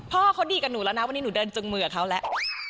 พ่อเขาดีกับหนูแล้วนะวันนี้หนูเดินจึงมือกับเขาแล้ว